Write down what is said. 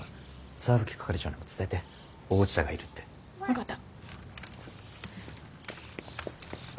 石蕗係長にも伝えて大内田がいるって。分かった。